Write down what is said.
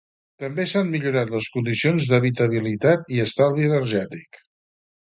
També s’han millorat les condicions d’habitabilitat i estalvi energètic.